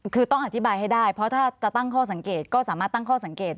คือต้องอธิบายให้ได้เพราะถ้าจะตั้งข้อสังเกตก็สามารถตั้งข้อสังเกต